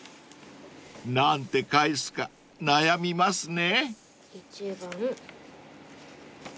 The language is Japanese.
［何て返すか悩みますね］